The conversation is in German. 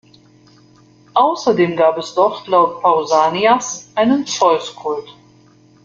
Außerdem gab es dort laut Pausanias einen Zeus-Kult.